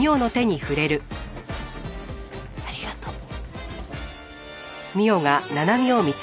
ありがとう。